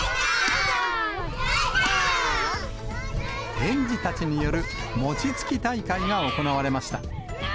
園児たちによる餅つき大会が行われました。